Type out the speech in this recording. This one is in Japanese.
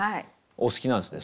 お好きなんですね